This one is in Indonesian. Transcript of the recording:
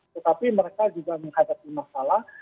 tetapi mereka juga menghadapi masalah